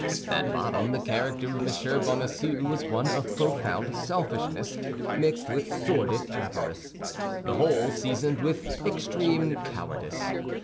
At bottom the character of M. Bonacieux was one of profound selfishness mixed with sordid avarice, the whole seasoned with extreme cowardice.